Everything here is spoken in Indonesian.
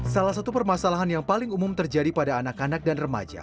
salah satu permasalahan yang paling umum terjadi pada anak anak dan remaja